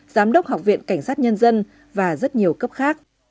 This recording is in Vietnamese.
giám đốc học viện cảnh sát nhân dân và rất nhiều cấp khác